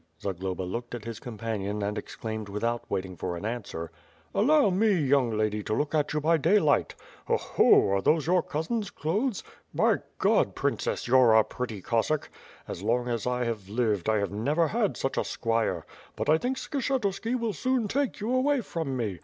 Zagloba looked at his companion and exclaimed without waiting for an answer: 238 WITH FIRE AND SWORD, 239 "Allow me, young lady, to look at you by daylight. Ho! Ho! Are these your cousin's clothes? By God! Princess, you're a pretty Cossack. As long as 1 have lived, I have never had such a squire — but I think Skshetuski will soon take you away from me.